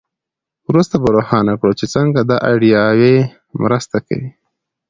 وروسته به روښانه کړو چې څنګه دا ایډیاوې مرسته کوي.